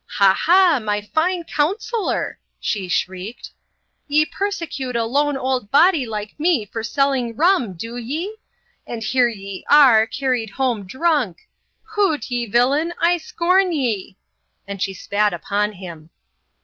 *' Ha, hp,I my fine counsellor" she shrieked ; "ye persecute a: lone old body like me for selling rum — do ye ? And here ye are, carried home drunk — Hoot ! ye villain, I scorn ye !" And flbe spat upon him.